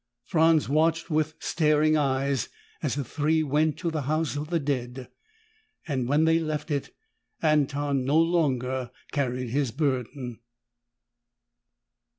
Franz watched with staring eyes as the three went to the House of the Dead. When they left it, Anton no longer carried his burden.